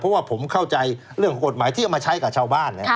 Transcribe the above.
เพราะว่าผมเข้าใจเรื่องกฎหมายที่เอามาใช้กับชาวบ้าน